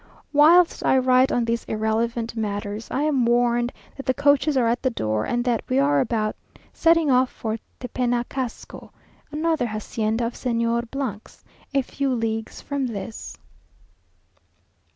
... Whilst I write on these irrelevant matters, I am warned that the coaches are at the door, and that we are about setting off for Tepenacasco, another hacienda of Señor 's, a few leagues from this.